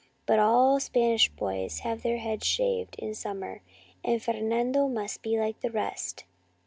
But all Spanish boys have their heads shaved in sum mer, and Fernando must be like the rest.